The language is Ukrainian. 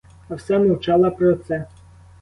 А все мовчала про це.